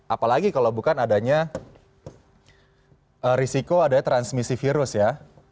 apalagi kalau bukan adanya risiko adanya transmisi virus ya